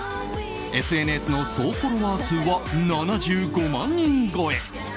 ＳＮＳの総フォロワー数は７５万人超え。